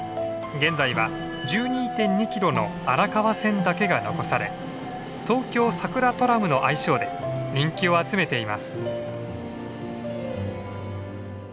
現在は１２．２キロの荒川線だけが残され東京さくらトラムの愛称で人気を集めています。